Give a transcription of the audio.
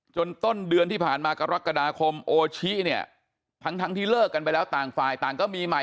ต้นเดือนที่ผ่านมากรกฎาคมโอชิเนี่ยทั้งที่เลิกกันไปแล้วต่างฝ่ายต่างก็มีใหม่